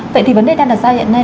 vậy thì vấn đề đang là sao hiện nay